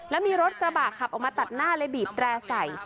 แล้วมีรถกระบะขับออกมาตัดหน้าเลยบีบแตร่ใส่